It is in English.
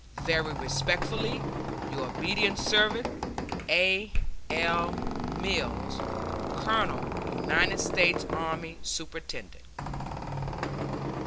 Very respectfully, Your obedient servant, A. L. MILLS, Colonel United States Army, Superintendent.